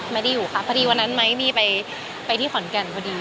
ไม่ได้อยู่ค่ะพอดีวันนั้นไม้มีไปที่ขอนแก่นพอดี